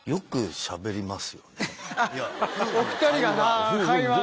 お二人が会話が。